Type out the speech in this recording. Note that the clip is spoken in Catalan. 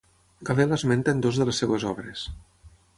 Galè l'esmenta en dues de les seves obres.